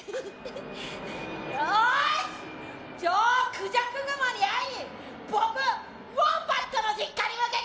よしじゃあクジャクグモに会いに僕ウォンバットの実家に向けて！